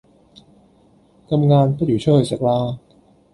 咁晏不如出去食啦